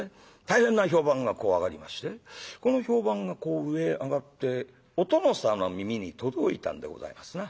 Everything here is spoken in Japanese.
大変な評判がこう上がりましてこの評判が上へ上がってお殿様の耳に届いたんでございますな。